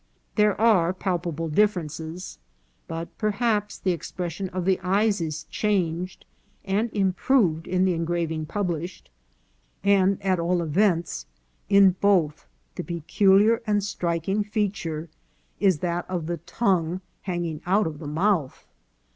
There are palpable differences, but perhaps the expression of the eyes is changed and improved in the engraving published, and, at all events, in both the pe culiar and striking feature is that of the tongue hanging out of the mouth.